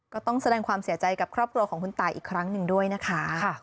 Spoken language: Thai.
ก็ต้องแสดงความเสียใจกับครอบครัวของคุณตายอีกครั้งหนึ่งด้วยนะคะ